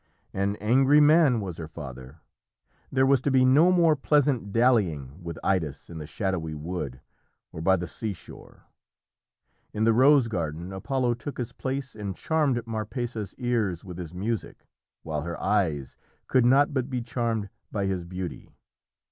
An angry man was her father. There was to be no more pleasant dallying with Idas in the shadowy wood or by the seashore. In the rose garden Apollo took his place and charmed Marpessa's ears with his music, while her eyes could not but be charmed by his beauty.